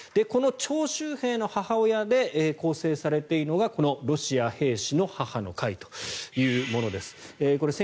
この徴集兵の母親で構成されているのがこのロシア兵士の母の会というものです。